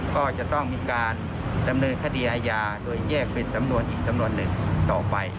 ก็จะต้องมีการดำเนินคดีอาญาโดยแยกเป็นสำนวนอีกสำนวนหนึ่งต่อไป